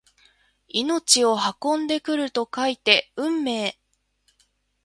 命を運んでくると書いて運命！